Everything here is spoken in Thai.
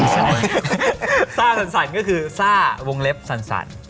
ใช่ซ่าสั่นก็คือซ่าวงเล็บสั่น